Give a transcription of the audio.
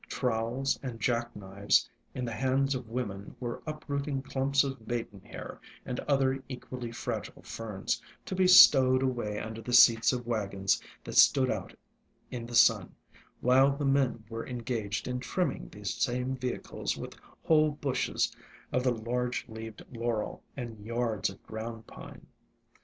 Trowels and jack knives in the hands of women were uprooting clumps of Maiden hair and other equally fragile Ferns, to be stowed away under the seats of wagons that stood out in the sun, while the men were engaged in trimming these same vehicles with whole bushes of the Large leaved Laurel and yards of Ground Pine.